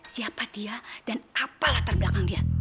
siapa dia dan apa latar belakang dia